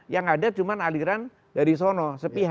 yang ada cuma aliran dari sono